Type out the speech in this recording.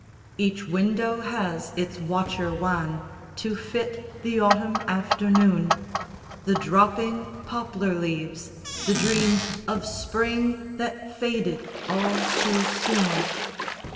Each window has its watcher wan To fit the autumn afternoon, The dropping poplar leaves, the dream Of spring that faded all too soon.